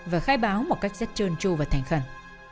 và khai báo một cách rất trơn tru và thành khẩn